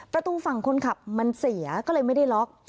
ประตูฝั่งคนขับมันเสียก็เลยไม่ได้ล็อก